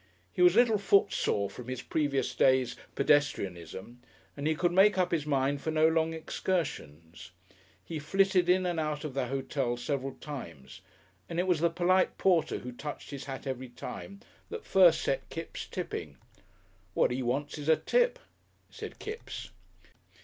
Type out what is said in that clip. He was a little footsore from his previous day's pedestrianism, and he could make up his mind for no long excursions. He flitted in and out of the hotel several times, and it was the polite porter who touched his hat every time that first set Kipps tipping. "What 'e wants is a tip," said Kipps.